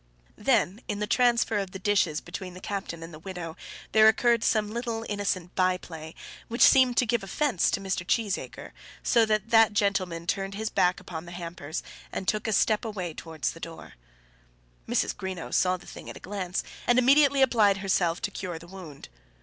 Then, in the transfer of the dishes between the captain and the widow, there occurred some little innocent by play, which seemed to give offence to Mr. Cheesacre; so that that gentleman turned his back upon the hampers and took a step away towards the door. Mrs. Greenow saw the thing at a glance, and immediately applied herself to cure the wound.